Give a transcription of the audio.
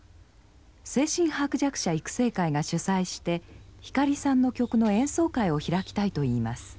精神薄弱者育成会が主催して光さんの曲の演奏会を開きたいといいます。